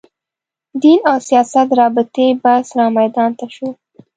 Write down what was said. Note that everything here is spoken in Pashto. دین او سیاست رابطې بحث رامیدان ته شو